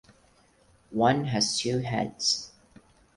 One has two heads.